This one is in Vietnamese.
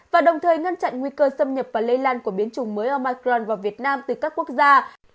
và đồng thời ngăn chặn nguy cơ xâm nhập và lây lan của biến chủng mới ở micron vào việt nam từ các quốc gia